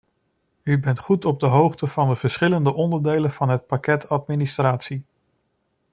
U bent goed op de hoogte van de verschillende onderdelen van het pakket administratie.